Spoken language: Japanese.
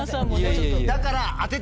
だから。